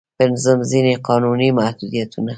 پنځم: ځينې قانوني محدودیتونه.